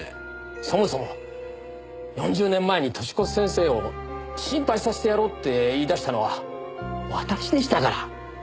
そもそも４０年前に寿子先生を心配させてやろうって言い出したのは私でしたから。